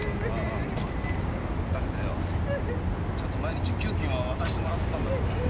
だけどよちゃんと毎日給金は渡してもらってたんだろうが。